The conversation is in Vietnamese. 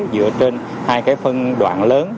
dựa trên hai phần đoạn lớn